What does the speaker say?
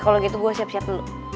kalau gitu gue siap siap dulu